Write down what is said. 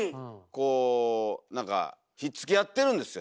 こうなんかひっつき合ってるんですよ